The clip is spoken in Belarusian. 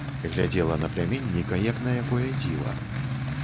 Глядзела на пляменніка, як на якое дзіва.